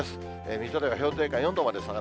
水戸では氷点下４度まで下がる。